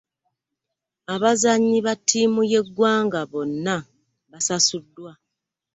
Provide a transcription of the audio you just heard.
Abazannyi b'attiimu y'eggwanga bonna basasuddwa